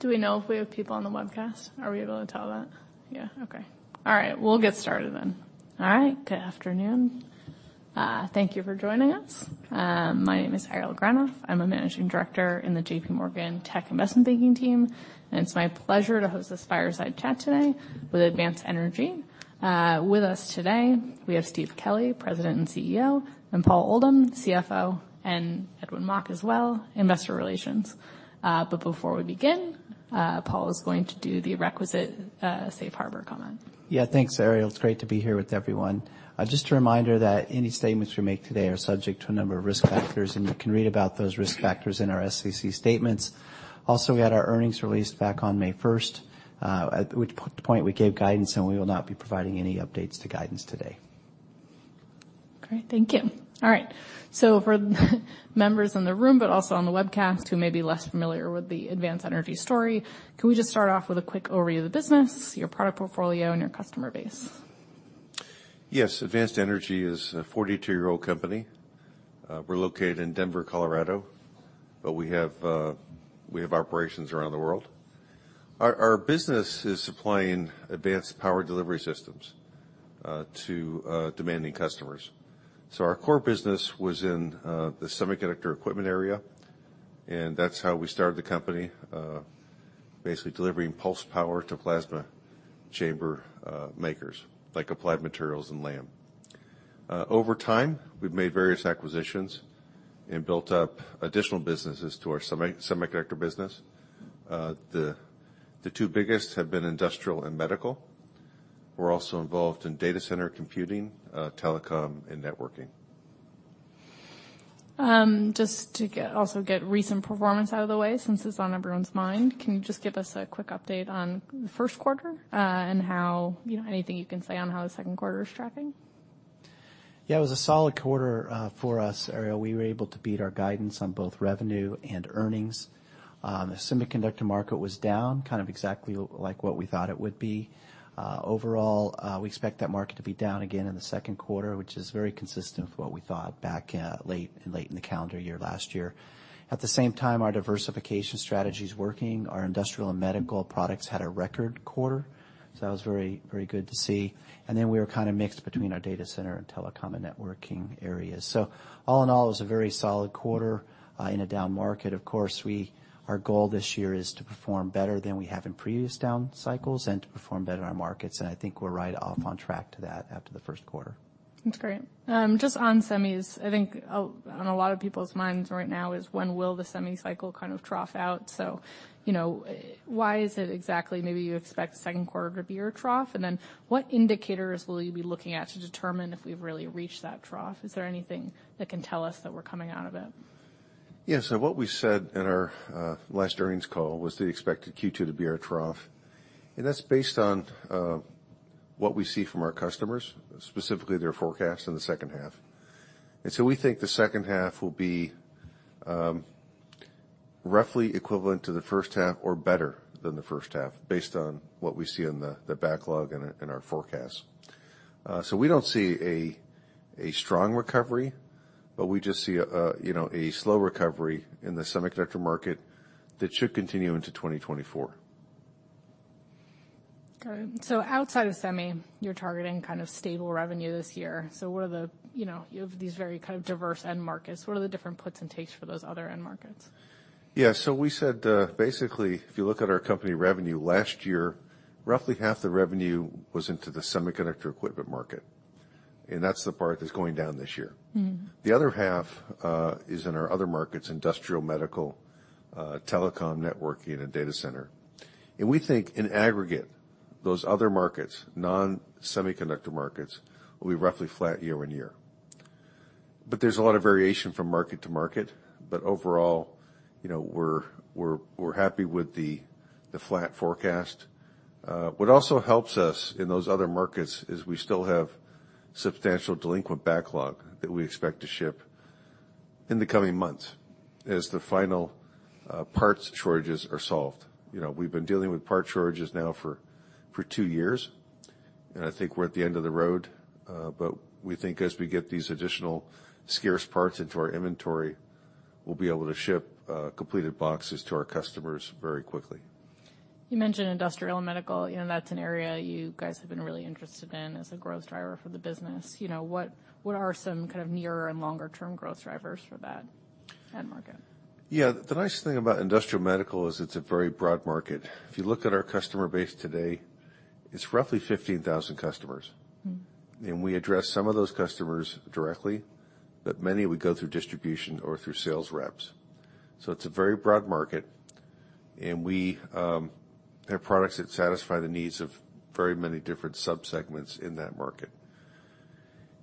Do we know if we have people on the webcast? Are we able to tell that? Yeah. Okay. All right, we'll get started then. All right. Good afternoon. Thank you for joining us. My name is Ariel Granoff. I'm a Managing Director in the J.P. Morgan Tech Investment Banking team, and it's my pleasure to host this fireside chat today with Advanced Energy. With us today, we have Steve Kelley, President and CEO, and Paul Oldham, CFO, and Edwin Mok as well, Investor Relations. Before we begin, Paul is going to do the requisite safe harbor comment. Yeah. Thanks, Ariel. It's great to be here with everyone. Just a reminder that any statements we make today are subject to a number of risk factors, and you can read about those risk factors in our SEC statements. Also, we had our earnings released back on May 1st, at which point we gave guidance, and we will not be providing any updates to guidance today. Great. Thank you. All right. For the members in the room, but also on the webcast, who may be less familiar with the Advanced Energy story, can we just start off with a quick overview of the business, your product portfolio and your customer base? Yes. Advanced Energy is a 42-year-old company. We're located in Denver, Colorado, we have operations around the world. Our business is supplying advanced power delivery systems to demanding customers. Our core business was in the semiconductor equipment area, that's how we started the company, basically delivering pulsed power to plasma chamber makers like Applied Materials and Lam. Over time, we've made various acquisitions and built up additional businesses to our semiconductor business. The two biggest have been industrial and medical. We're also involved in data center computing, telecom and networking. Just to also get recent performance out of the way since it's on everyone's mind, can you just give us a quick update on the first quarter, and how, you know, anything you can say on how the second quarter is tracking? Yeah, it was a solid quarter for us, Ariel. We were able to beat our guidance on both revenue and earnings. The semiconductor market was down kind of exactly like what we thought it would be. Overall, we expect that market to be down again in the second quarter, which is very consistent with what we thought back late in the calendar year last year. At the same time, our diversification strategy is working. Our industrial and medical products had a record quarter, so that was very good to see. We were kind of mixed between our data center and telecom and networking areas. All in all, it was a very solid quarter in a down market. Of course, our goal this year is to perform better than we have in previous down cycles and to perform better in our markets. I think we're right off on track to that after the first quarter. That's great. Just on semis, I think, on a lot of people's minds right now is when will the semi cycle kind of trough out? You know, why is it exactly maybe you expect the second quarter to be your trough? What indicators will you be looking at to determine if we've really reached that trough? Is there anything that can tell us that we're coming out of it? Yes. What we said in our last earnings call was we expected Q2 to be our trough. That's based on what we see from our customers, specifically their forecast in the second half. We think the second half will be roughly equivalent to the first half or better than the first half, based on what we see in the backlog and our forecast. We don't see a strong recovery, but we just see a, you know, a slow recovery in the semiconductor market that should continue into 2024. Got it. outside of semi, you're targeting kind of stable revenue this year. You know, you have these very kind of diverse end markets. What are the different puts and takes for those other end markets? Yeah. We said, basically, if you look at our company revenue last year, roughly half the revenue was into the semiconductor equipment market. That's the part that's going down this year. Mm-hmm. The other half is in our other markets, industrial, medical, telecom, networking, and data center. We think in aggregate, those other markets, non-semiconductor markets, will be roughly flat year-on-year. There's a lot of variation from market to market. Overall, you know, we're happy with the flat forecast. What also helps us in those other markets is we still have substantial delinquent backlog that we expect to ship in the coming months as the final parts shortages are solved. You know, we've been dealing with part shortages now for two years, and I think we're at the end of the road. We think as we get these additional scarce parts into our inventory, we'll be able to ship completed boxes to our customers very quickly. You mentioned industrial and medical, you know, that's an area you guys have been really interested in as a growth driver for the business. You know, what are some kind of nearer and longer term growth drivers for that end market? Yeah, the nice thing about industrial/medical is it's a very broad market. If you look at our customer base today, it's roughly 15,000 customers. Mm. We address some of those customers directly, but many we go through distribution or through sales reps. It's a very broad market, and we have products that satisfy the needs of very many different sub-segments in that market.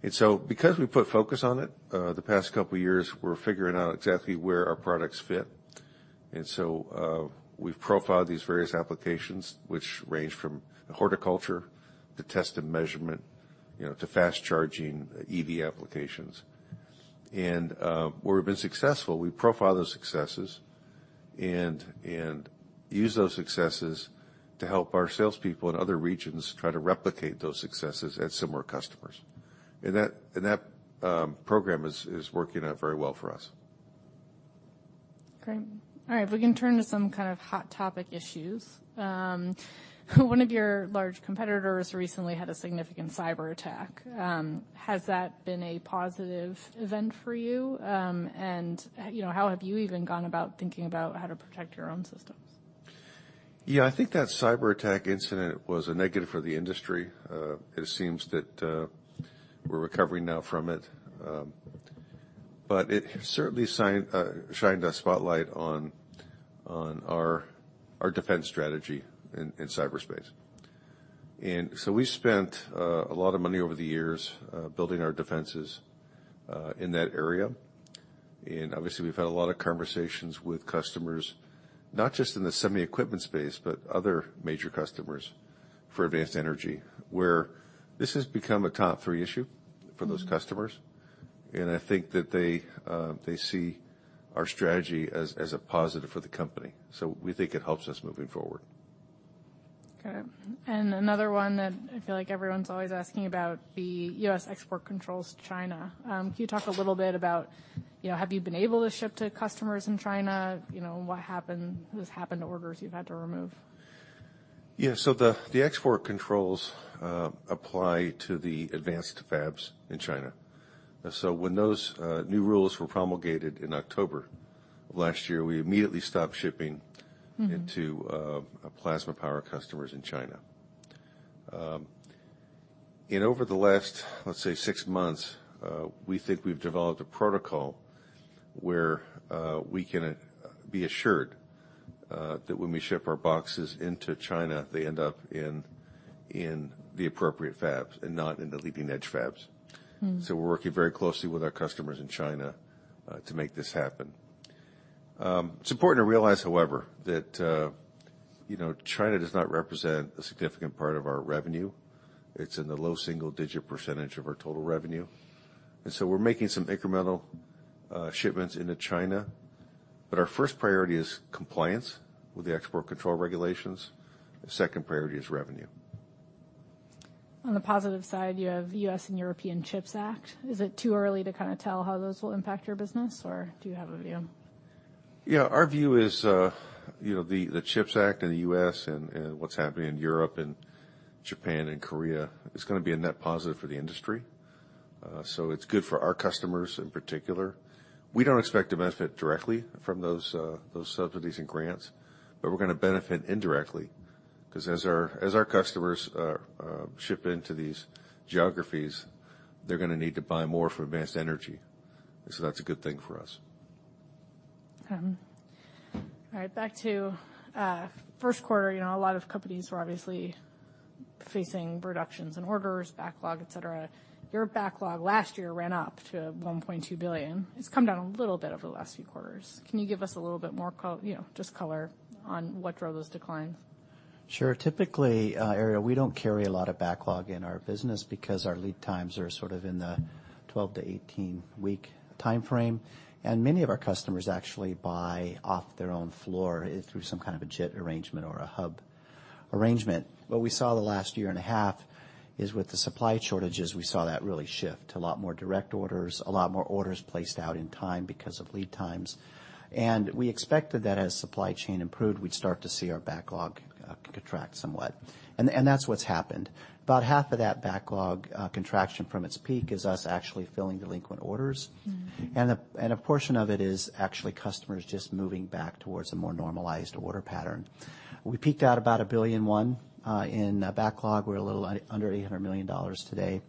Because we put focus on it, the past couple years, we're figuring out exactly where our products fit. We've profiled these various applications which range from horticulture to test and measurement, you know, to fast charging EV applications. Where we've been successful, we profile those successes and use those successes to help our salespeople in other regions try to replicate those successes at similar customers. That program is working out very well for us. Great. All right, if we can turn to some kind of hot topic issues. One of your large competitors recently had a significant cyberattack. Has that been a positive event for you? You know, how have you even gone about thinking about how to protect your own systems? I think that cyberattack incident was a negative for the industry. It seems that we're recovering now from it. It certainly shined a spotlight on our defense strategy in cyberspace. We spent a lot of money over the years building our defenses in that area. Obviously, we've had a lot of conversations with customers, not just in the semi equipment space, but other major customers for Advanced Energy, where this has become a top three issue for those customers. I think that they see our strategy as a positive for the company. We think it helps us moving forward. Okay. Another one that I feel like everyone's always asking about, the U.S. export controls to China. Can you talk a little bit about, you know, have you been able to ship to customers in China, you know, and what has happened to orders you've had to remove? Yeah. The export controls apply to the advanced fabs in China. When those new rules were promulgated in October last year, we immediately stopped shipping. Mm-hmm. -into plasma power customers in China. And over the last, let's say, six months, we think we've developed a protocol where we can be assured that when we ship our boxes into China, they end up in the appropriate fabs and not in the leading edge fabs. Mm-hmm. We're working very closely with our customers in China to make this happen. It's important to realize, however, that, you know, China does not represent a significant part of our revenue. It's in the low single-digit percentage of our total revenue. We're making some incremental shipments into China, but our first priority is compliance with the export control regulations. Second priority is revenue. On the positive side, you have U.S. and European CHIPS Act. Is it too early to kind of tell how those will impact your business or do you have a view? Yeah. Our view is, you know, the CHIPS Act in the U.S. and what's happening in Europe and Japan and Korea is gonna be a net positive for the industry. It's good for our customers in particular. We don't expect to benefit directly from those subsidies and grants, but we're gonna benefit indirectly 'cause as our customers ship into these geographies, they're gonna need to buy more for Advanced Energy. That's a good thing for us. All right. Back to first quarter. You know, a lot of companies were obviously facing reductions in orders, backlog, et cetera. Your backlog last year ran up to $1.2 billion. It's come down a little bit over the last few quarters. Can you give us a little bit more, you know, just color on what drove those declines? Sure. Typically, Ariel, we don't carry a lot of backlog in our business because our lead times are sort of in the 12- to 18-week timeframe. Many of our customers actually buy off their own floor through some kind of a JIT arrangement or a hub arrangement. What we saw the last year and a half is with the supply shortages, we saw that really shift. A lot more direct orders, a lot more orders placed out in time because of lead times. We expected that as supply chain improved, we'd start to see our backlog contract somewhat. That's what's happened. About half of that backlog contraction from its peak is us actually filling delinquent orders. Mm-hmm. A portion of it is actually customers just moving back towards a more normalized order pattern. We peaked out about $1.1 billion in backlog. We're a little under $800 million today.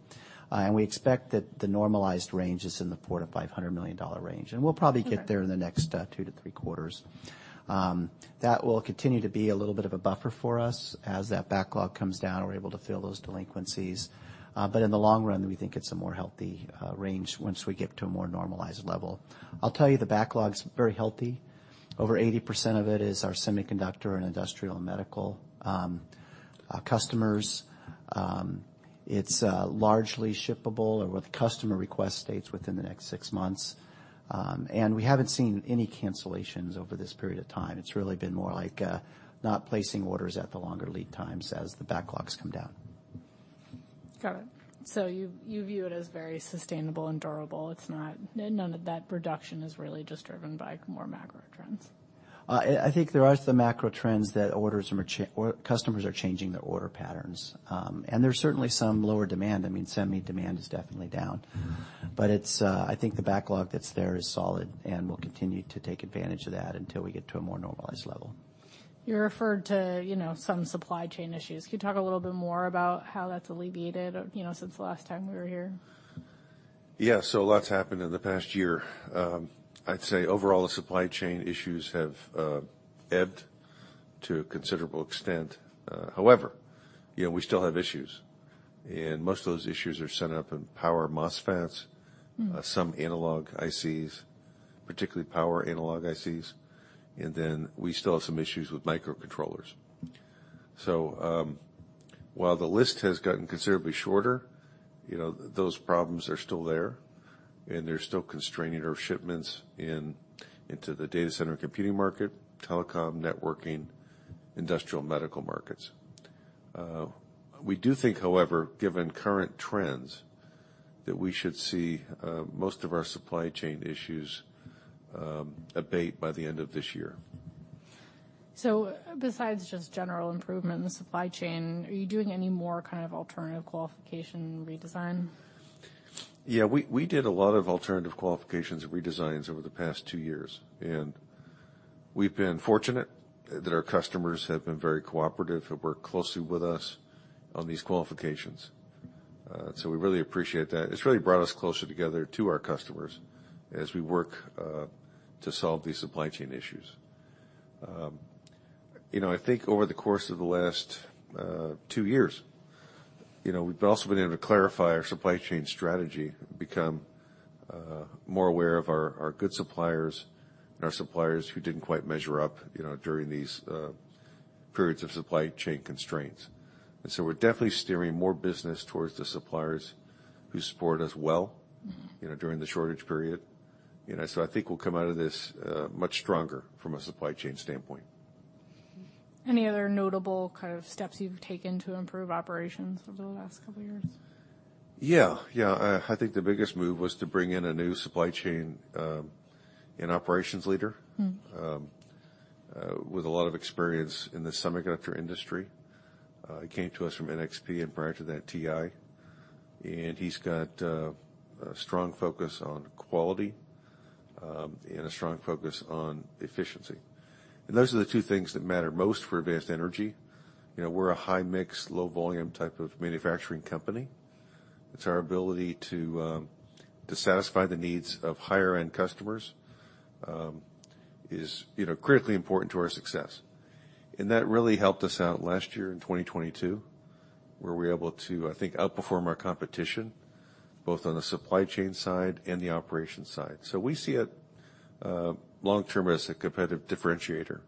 We expect that the normalized range is in the $400 million-$500 million range. Okay. Get there in the next, two to three quarters. That will continue to be a little bit of a buffer for us. As that backlog comes down, we're able to fill those delinquencies. In the long run, we think it's a more healthy range once we get to a more normalized level. I'll tell you the backlog's very healthy. Over 80% of it is our semiconductor and industrial and medical customers. It's largely shippable or with customer request dates within the next six months. We haven't seen any cancellations over this period of time. It's really been more like not placing orders at the longer lead times as the backlogs come down. Got it. You view it as very sustainable and durable. It's not... None of that reduction is really just driven by more macro trends. I think there are some macro trends that orders or customers are changing their order patterns. There's certainly some lower demand. I mean, semi demand is definitely down. Mm-hmm. It's, I think the backlog that's there is solid, and we'll continue to take advantage of that until we get to a more normalized level. You referred to, you know, some supply chain issues. Can you talk a little bit more about how that's alleviated, you know, since the last time we were here? Yeah. A lot's happened in the past year. I'd say overall the supply chain issues have ebbed to a considerable extent. However, you know, we still have issues, and most of those issues are set up in power MOSFETs. Mm. Some analog ICs, particularly power analog ICs. Then we still have some issues with microcontrollers. While the list has gotten considerably shorter, you know, those problems are still there. They're still constraining our shipments into the data center, computing market, telecom, networking, industrial/medical markets. We do think, however, given current trends, that we should see most of our supply chain issues abate by the end of this year. Besides just general improvement in the supply chain, are you doing any more kind of alternative qualification redesign? Yeah. We did a lot of alternative qualifications and redesigns over the past two years, and we've been fortunate that our customers have been very cooperative and work closely with us on these qualifications. So we really appreciate that. It's really brought us closer together to our customers as we work to solve these supply chain issues. You know, I think over the course of the last two years, you know, we've also been able to clarify our supply chain strategy, become more aware of our good suppliers and our suppliers who didn't quite measure up, you know, during these periods of supply chain constraints. We're definitely steering more business towards the suppliers who support us well. Mm-hmm. You know, during the shortage period. You know, I think we'll come out of this much stronger from a supply chain standpoint. Any other notable kind of steps you've taken to improve operations over the last couple of years? Yeah. Yeah. I think the biggest move was to bring in a new supply chain, and operations leader. Mm-hmm. With a lot of experience in the semiconductor industry. He came to us from NXP, and prior to that, TI. He's got a strong focus on quality and a strong focus on efficiency. Those are the two things that matter most for Advanced Energy. You know, we're a high-mix, low-volume type of manufacturing company. It's our ability to satisfy the needs of higher-end customers is, you know, critically important to our success. That really helped us out last year in 2022, where we were able to, I think, outperform our competition, both on the supply chain side and the operations side. We see it long term as a competitive differentiator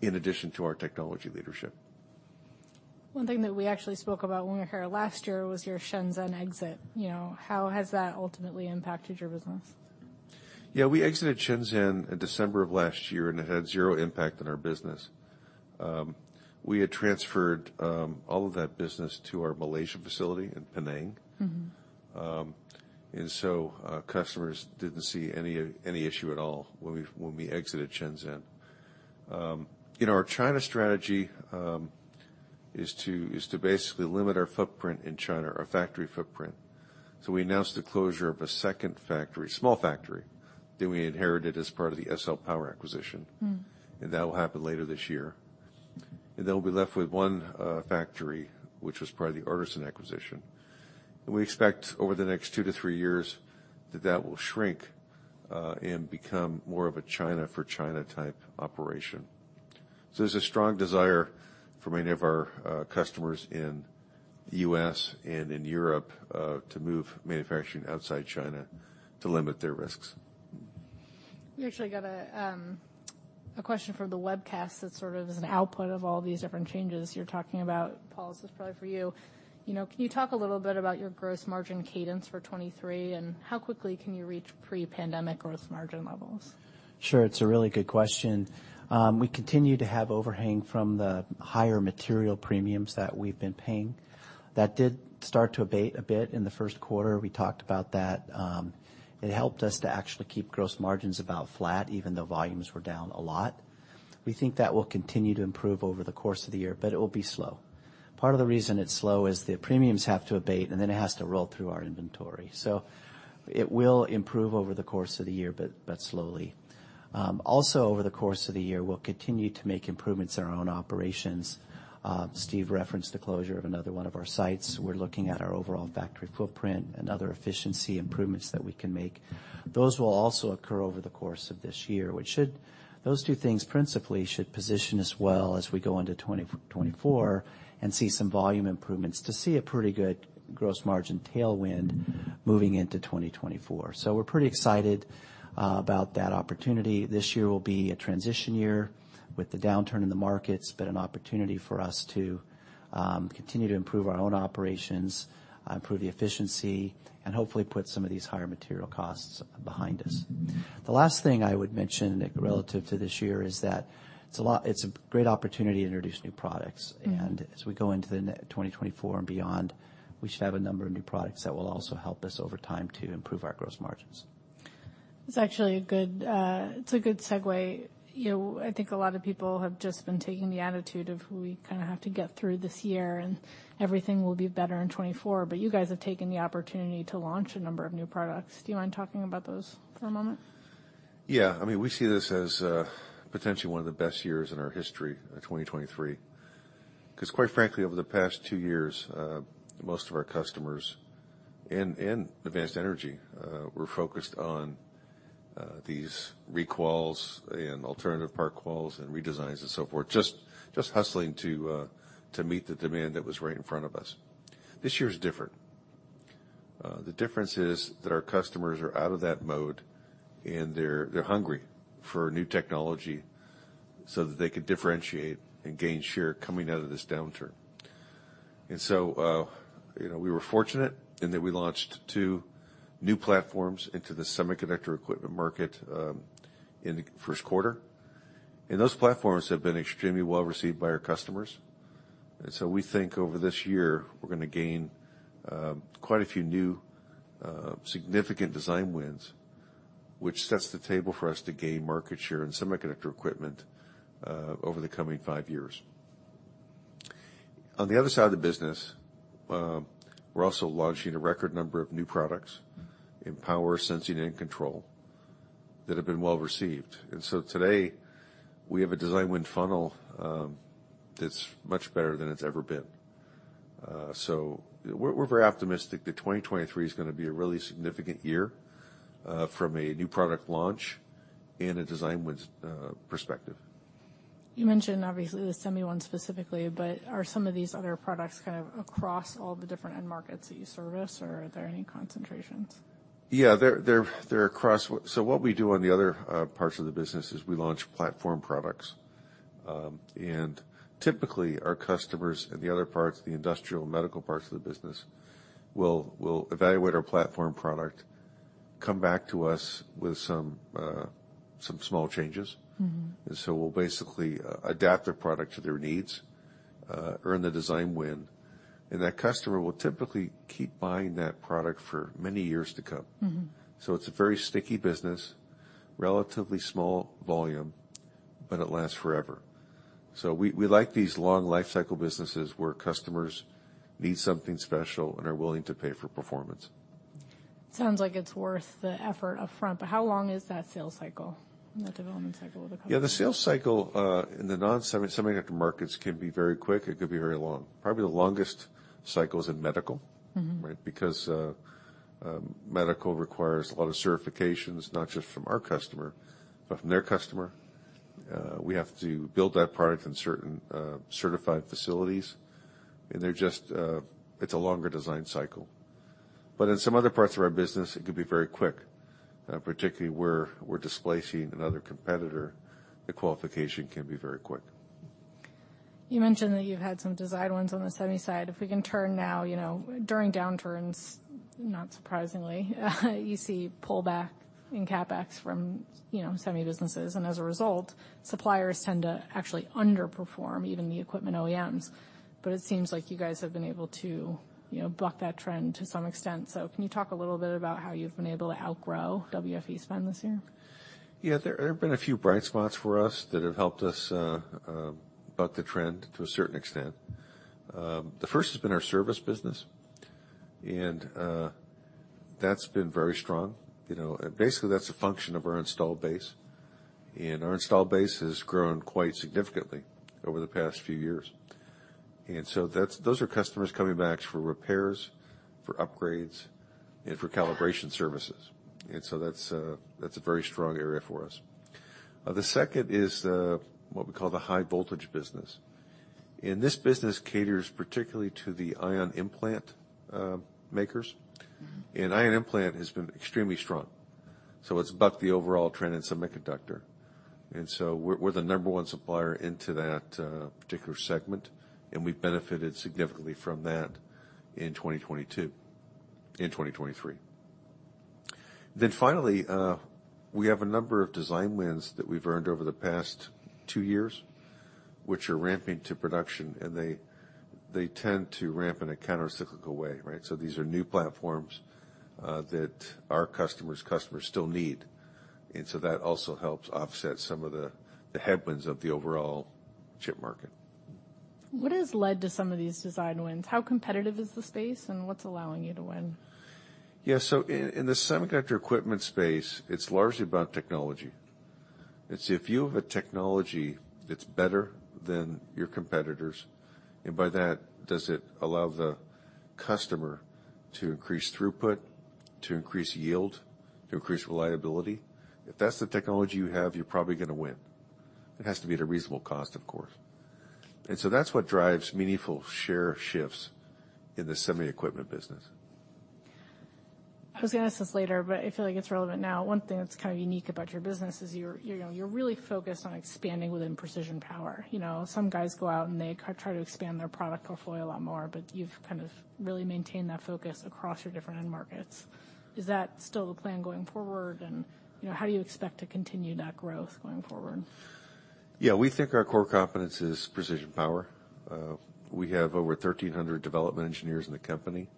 in addition to our technology leadership. One thing that we actually spoke about when we were here last year was your Shenzhen exit. You know, how has that ultimately impacted your business? Yeah, we exited Shenzhen in December of last year, and it had zero impact on our business. We had transferred, all of that business to our Malaysian facility in Penang. Mm-hmm. Customers didn't see any issue at all when we exited Shenzhen. You know, our China strategy is to basically limit our footprint in China, our factory footprint. We announced the closure of a second factory, small factory that we inherited as part of the SL Power acquisition. Mm-hmm. That will happen later this year. Then we'll be left with one factory, which was part of the Artesyn acquisition. We expect over the next two to three years that that will shrink and become more of a China-for-China type operation. There's a strong desire for many of our customers in the U.S. and in Europe to move manufacturing outside China to limit their risks. We actually got a question from the webcast that's sort of an output of all these different changes you're talking about. Paul, this is probably for you. You know, can you talk a little bit about your gross margin cadence for 2023, and how quickly can you reach pre-pandemic gross margin levels? Sure. It's a really good question. We continue to have overhang from the higher material premiums that we've been paying. That did start to abate a bit in the first quarter. We talked about that. It helped us to actually keep gross margins about flat, even though volumes were down a lot. We think that will continue to improve over the course of the year, but it will be slow. Part of the reason it's slow is the premiums have to abate, and then it has to roll through our inventory. It will improve over the course of the year, but slowly. Also, over the course of the year, we'll continue to make improvements in our own operations. Steve referenced the closure of another one of our sites. We're looking at our overall factory footprint and other efficiency improvements that we can make. Those will also occur over the course of this year, which should position us well as we go into 2024 and see some volume improvements to see a pretty good gross margin tailwind moving into 2024. We're pretty excited about that opportunity. This year will be a transition year with the downturn in the markets, but an opportunity for us to continue to improve our own operations, improve the efficiency, and hopefully put some of these higher material costs behind us. The last thing I would mention relative to this year is that it's a great opportunity to introduce new products. Mm-hmm. As we go into 2024 and beyond, we should have a number of new products that will also help us over time to improve our gross margins. It's actually a good, it's a good segue. You know, I think a lot of people have just been taking the attitude of we kind of have to get through this year and everything will be better in 2024. You guys have taken the opportunity to launch a number of new products. Do you mind talking about those for a moment? Yeah. I mean, we see this as potentially one of the best years in our history, 2023, 'cause quite frankly, over the past two years, most of our customers and Advanced Energy were focused on these recalls and alternative part calls and redesigns and so forth, just hustling to meet the demand that was right in front of us. This year is different. The difference is that our customers are out of that mode, and they're hungry for new technology so that they could differentiate and gain share coming out of this downturn. So, you know, we were fortunate in that we launched two new platforms into the semiconductor equipment market, in the first quarter. Those platforms have been extremely well-received by our customers. We think over this year, we're gonna gain, quite a few new, significant design wins, which sets the table for us to gain market share in semiconductor equipment, over the coming five years. On the other side of the business, we're also launching a record number of new products in power, sensing and control that have been well-received. Today, we have a design win funnel, that's much better than it's ever been. So we're very optimistic that 2023 is gonna be a really significant year, from a new product launch and a design wins, perspective. You mentioned obviously the semi one specifically, but are some of these other products kind of across all the different end markets that you service, or are there any concentrations? Yeah. They're across. What we do on the other parts of the business is we launch platform products. Typically, our customers in the other parts, the industrial and medical parts of the business, will evaluate our platform product, come back to us with some small changes. Mm-hmm. We'll basically adapt their product to their needs, earn the design win, and that customer will typically keep buying that product for many years to come. Mm-hmm. It's a very sticky business, relatively small volume, but it lasts forever. We like these long lifecycle businesses where customers need something special and are willing to pay for performance. Sounds like it's worth the effort upfront, but how long is that sales cycle and the development cycle with a customer? Yeah. The sales cycle in the semiconductor markets can be very quick. It could be very long. Probably the longest cycle is in medical. Mm-hmm Right? Because medical requires a lot of certifications, not just from our customer, but from their customer. We have to build that product in certain certified facilities, and they're just it's a longer design cycle. In some other parts of our business, it could be very quick, particularly where we're displacing another competitor, the qualification can be very quick. You mentioned that you've had some design wins on the semi side. If we can turn now, you know, during downturns, not surprisingly, you see pullback in CapEx from, you know, semi businesses. As a result, suppliers tend to actually underperform even the equipment OEMs. It seems like you guys have been able to, you know, buck that trend to some extent. Can you talk a little bit about how you've been able to outgrow WFE spend this year? Yeah. There have been a few bright spots for us that have helped us buck the trend to a certain extent. The first has been our service business, that's been very strong. You know, basically that's a function of our installed base. Our installed base has grown quite significantly over the past few years. Those are customers coming back for repairs, for upgrades, and for calibration services. That's a very strong area for us. The second is the, what we call the high-voltage business. This business caters particularly to the ion implantation makers. Mm-hmm. Ion implantation has been extremely strong, so it's bucked the overall trend in semiconductor. We're the number one supplier into that particular segment, and we've benefited significantly from that in 2022... in 2023. Finally, we have a number of design wins that we've earned over the past two years, which are ramping to production, and they tend to ramp in a countercyclical way, right? These are new platforms that our customers still need. That also helps offset some of the headwinds of the overall chip market. What has led to some of these design wins? How competitive is the space? What's allowing you to win? Yeah. In the semiconductor equipment space, it's largely about technology. It's if you have a technology that's better than your competitors, and by that, does it allow the customer to increase throughput, to increase yield, to increase reliability? If that's the technology you have, you're probably gonna win. It has to be at a reasonable cost, of course. That's what drives meaningful share shifts in the semi equipment business. I was gonna ask this later, but I feel like it's relevant now. One thing that's kind of unique about your business is you're, you know, you're really focused on expanding within precision power. You know, some guys go out, and they try to expand their product portfolio a lot more, but you've kind of really maintained that focus across your different end markets. Is that still the plan going forward? You know, how do you expect to continue that growth going forward? Yeah. We think our core competence is precision power. We have over 1,300 development engineers in the company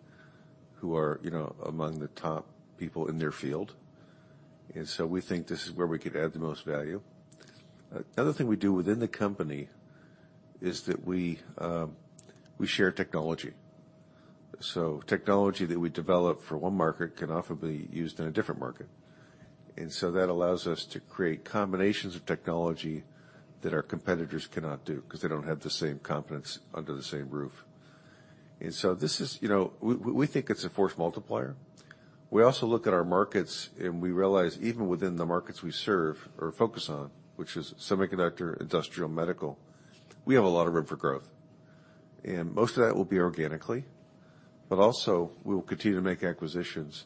who are, you know, among the top people in their field. We think this is where we could add the most value. Another thing we do within the company is that we share technology. Technology that we develop for one market can often be used in a different market. That allows us to create combinations of technology that our competitors cannot do, 'cause they don't have the same competence under the same roof. This is, you know. We think it's a force multiplier. We also look at our markets, and we realize even within the markets we serve or focus on, which is semiconductor, industrial, medical, we have a lot of room for growth. Most of that will be organically, but also we will continue to make acquisitions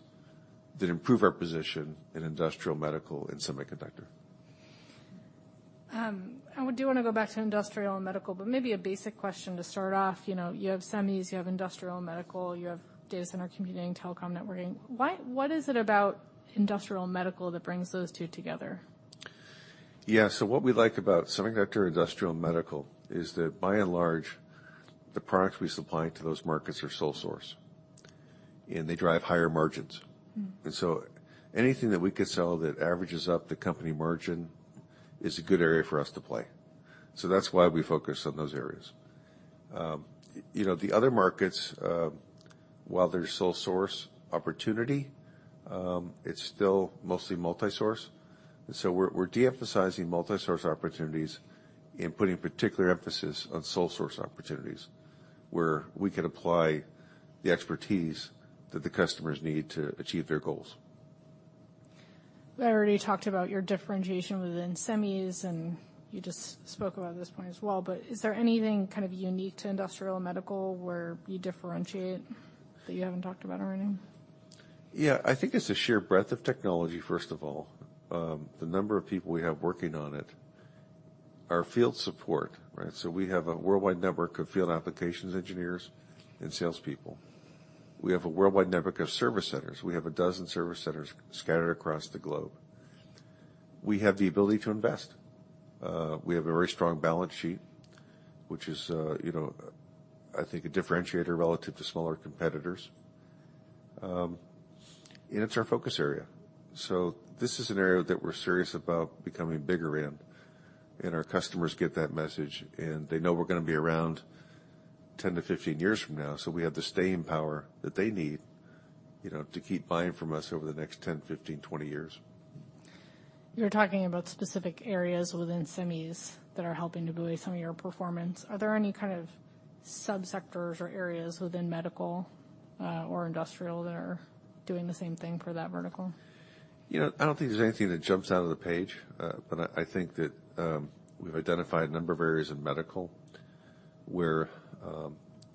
that improve our position in industrial, medical, and semiconductor. I would do wanna go back to industrial and medical, but maybe a basic question to start off. You know, you have semis, you have industrial and medical, you have data center, computing, telecom networking. What is it about industrial and medical that brings those two together? Yeah. What we like about semiconductor, industrial, and medical is that by and large, the products we supply to those markets are sole source, and they drive higher margins. Mm-hmm. Anything that we could sell that averages up the company margin is a good area for us to play. That's why we focus on those areas. You know, the other markets, while there's sole source opportunity, it's still mostly multi-source. We're de-emphasizing multi-source opportunities and putting particular emphasis on sole source opportunities where we can apply the expertise that the customers need to achieve their goals. We already talked about your differentiation within semis, and you just spoke about at this point as well, but is there anything kind of unique to industrial and medical where you differentiate that you haven't talked about already? Yeah. I think it's the sheer breadth of technology, first of all. The number of people we have working on it, our field support, right? We have a worldwide network of field applications engineers and salespeople. We have a worldwide network of service centers. We have a dozen service centers scattered across the globe. We have the ability to invest. We have a very strong balance sheet, which is, you know, I think a differentiator relative to smaller competitors. It's our focus area. This is an area that we're serious about becoming bigger in, and our customers get that message, and they know we're gonna be around 10-15 years from now. We have the staying power that they need, you know, to keep buying from us over the next 10, 15, 20 years. You're talking about specific areas within semis that are helping to buoy some of your performance. Are there any kind of sub-sectors or areas within medical, or industrial that are doing the same thing for that vertical? You know, I don't think there's anything that jumps out of the page, but I think that we've identified a number of areas in medical where,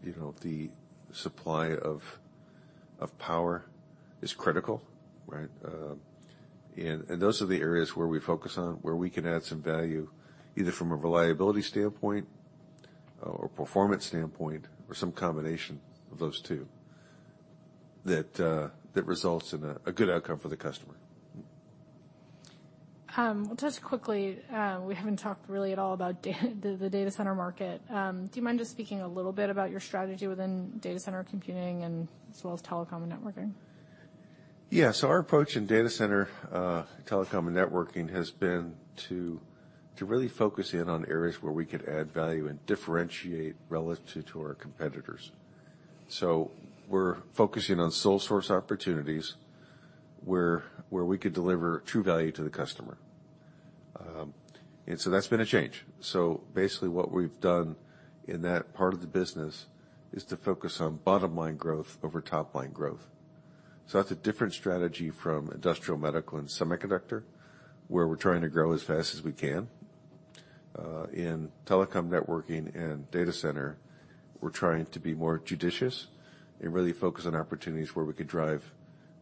you know, the supply of power is critical, right? Those are the areas where we focus on where we can add some value, either from a reliability standpoint or performance standpoint or some combination of those two that results in a good outcome for the customer. Just quickly, we haven't talked really at all about the data center market. Do you mind just speaking a little bit about your strategy within data center computing and as well as telecom and networking? Yeah. Our approach in data center, telecom and networking has been to really focus in on areas where we could add value and differentiate relative to our competitors. We're focusing on sole source opportunities where we could deliver true value to the customer. That's been a change. Basically what we've done in that part of the business is to focus on bottom line growth over top line growth. That's a different strategy from industrial, medical, and semiconductor, where we're trying to grow as fast as we can. In telecom, networking, and data center, we're trying to be more judicious and really focus on opportunities where we could drive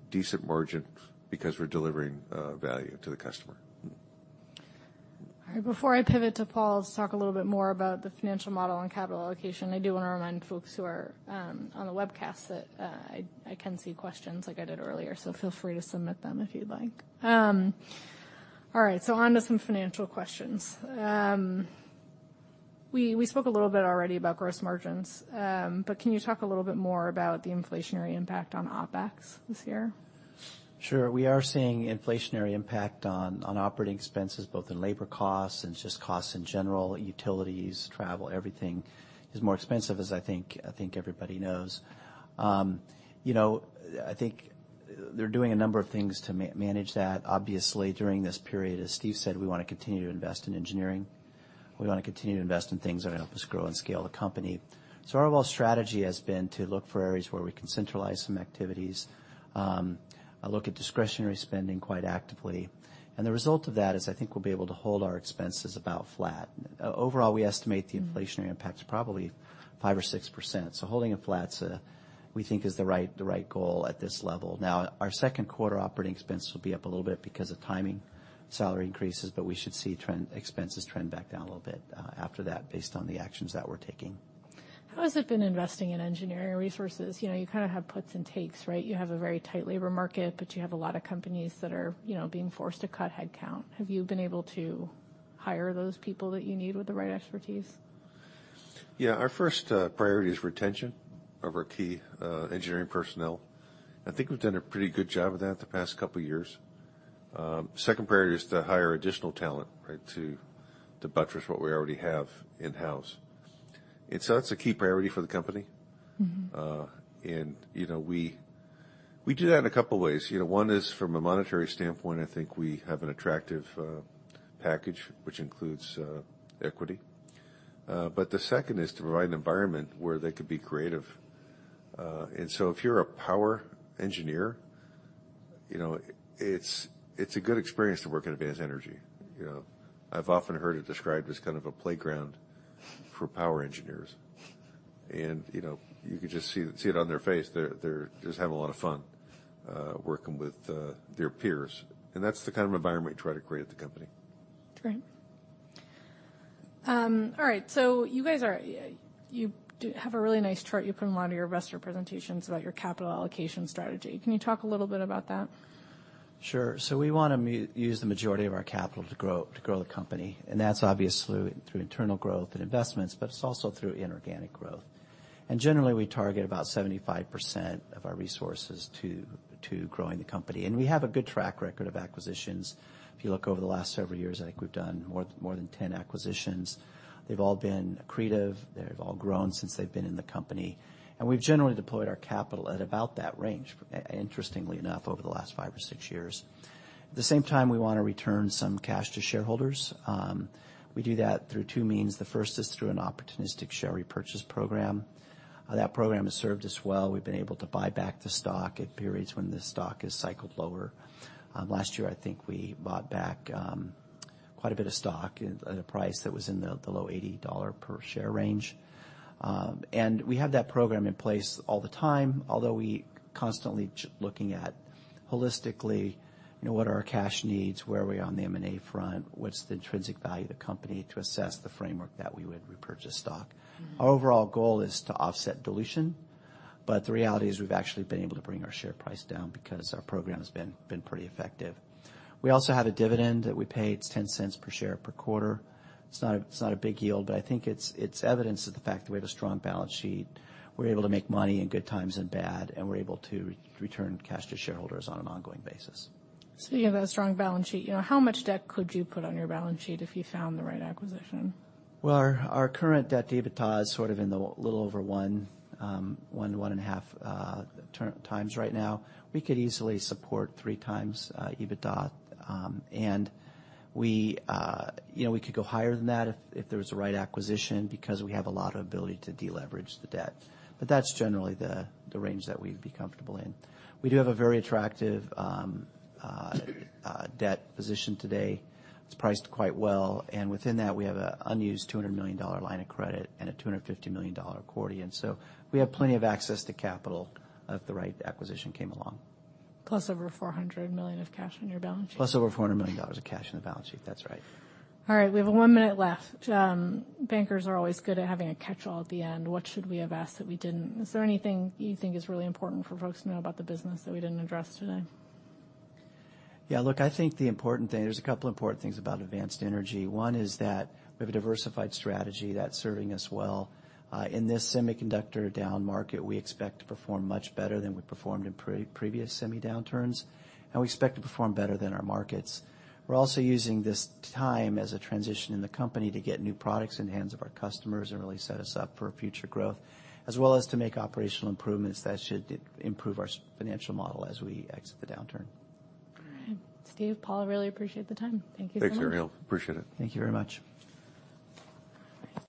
decent margin because we're delivering value to the customer. All right. Before I pivot to Paul to talk a little bit more about the financial model and capital allocation, I do wanna remind folks who are on the webcast that I can see questions like I did earlier, so feel free to submit them if you'd like. On to some financial questions. We spoke a little bit already about gross margins, can you talk a little bit more about the inflationary impact on OpEx this year? Sure. We are seeing inflationary impact on operating expenses, both in labor costs and just costs in general, utilities, travel. Everything is more expensive, as I think everybody knows. you know, I think they're doing a number of things to manage that. Obviously, during this period, as Steve said, we wanna continue to invest in engineering. We wanna continue to invest in things that help us grow and scale the company. Our overall strategy has been to look for areas where we can centralize some activities, look at discretionary spending quite actively. The result of that is I think we'll be able to hold our expenses about flat. Overall, we estimate the inflationary impact to probably 5% or 6%. Holding it flat's, we think is the right goal at this level. Our second quarter operating expense will be up a little bit because of timing, salary increases, but we should see expenses trend back down a little bit after that based on the actions that we're taking. How has it been investing in engineering resources? You know, you kinda have puts and takes, right? You have a very tight labor market, but you have a lot of companies that are, you know, being forced to cut headcount. Have you been able to hire those people that you need with the right expertise? Yeah. Our first priority is retention of our key engineering personnel. I think we've done a pretty good job of that the past couple years. Second priority is to hire additional talent, right, to buttress what we already have in-house. That's a key priority for the company. Mm-hmm. You know, we do that in a couple ways. You know, one is from a monetary standpoint, I think we have an attractive package which includes equity. The second is to provide an environment where they could be creative. If you're a power engineer, you know, it's a good experience to work at Advanced Energy. You know, I've often heard it described as kind of a playground for power engineers. You know, you can just see it on their face. They're just having a lot of fun working with their peers, and that's the kind of environment we try to create at the company. Great. All right, You do have a really nice chart you put them onto your investor presentations about your capital allocation strategy. Can you talk a little bit about that? Sure. We want to use the majority of our capital to grow the company, and that's obviously through internal growth and investments, but it's also through inorganic growth. Generally, we target about 75% of our resources to growing the company. We have a good track record of acquisitions. If you look over the last several years, I think we've done more than 10 acquisitions. They've all been accretive. They've all grown since they've been in the company. We've generally deployed our capital at about that range, interestingly enough, over the last five or six years. At the same time, we wanna return some cash to shareholders. We do that through two means. The first is through an opportunistic share repurchase program. That program has served us well. We've been able to buy back the stock at periods when the stock has cycled lower. Last year, I think we bought back, quite a bit of stock at a price that was in the low $80 per share range. We have that program in place all the time, although we constantly looking at holistically, you know, what are our cash needs, where are we on the M&A front, what's the intrinsic value of the company to assess the framework that we would repurchase stock. Mm-hmm. Our overall goal is to offset dilution. The reality is we've actually been able to bring our share price down because our program has been pretty effective. We also have a dividend that we pay. It's $0.10 per share per quarter. It's not a big yield, but I think it's evidence of the fact that we have a strong balance sheet. We're able to make money in good times and bad. We're able to return cash to shareholders on an ongoing basis. Speaking of that strong balance sheet, you know, how much debt could you put on your balance sheet if you found the right acquisition? Well, our current debt-to-EBITDA is sort of in the little over one and a half times right now. We could easily support three times EBITDA. We, you know, we could go higher than that if there's a right acquisition because we have a lot of ability to deleverage the debt. That's generally the range that we'd be comfortable in. We do have a very attractive debt position today. It's priced quite well. Within that, we have a unused $200 million line of credit and a $250 million accordion. We have plenty of access to capital if the right acquisition came along. Plus over $400 million of cash in your balance sheet. Plus over $400 million of cash in the balance sheet. That's right. All right, we have one minute left. Bankers are always good at having a catch-all at the end. What should we have asked that we didn't? Is there anything you think is really important for folks to know about the business that we didn't address today? Look, I think there's a couple important things about Advanced Energy. One is that we have a diversified strategy that's serving us well. In this semiconductor down market, we expect to perform much better than we performed in previous semi downturns, and we expect to perform better than our markets. We're also using this time as a transition in the company to get new products in the hands of our customers and really set us up for future growth, as well as to make operational improvements that should improve our financial model as we exit the downturn. All right. Steve, Paul, I really appreciate the time. Thank you so much. Thanks, Ariel. Appreciate it. Thank you very much. All right.